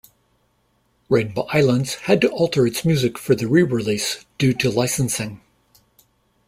"Rainbow Islands" had to alter its music for the re-release due to licensing.